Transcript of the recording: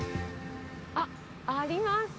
あっ、ありました。